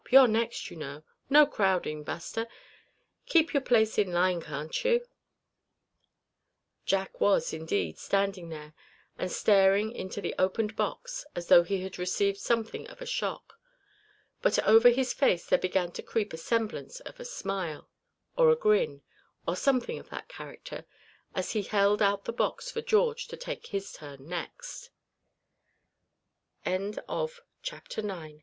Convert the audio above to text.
You're next, you know. No crowdin', Buster. Keep your place in line, can't you?" Jack was indeed standing there, and staring into the opened box as though he had received something of a shock; but over his face there began to creep a semblance of a smile, or a grin, or something of that character, as he held out the box for George to